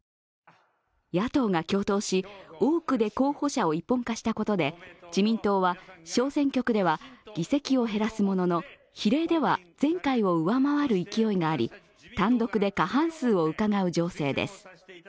野党が共闘し、多くで候補者を一本化したことで、自民党は小選挙区では議席を減らすものの比例では前回を上回る勢いがあり単独で過半数をうかがう情勢です。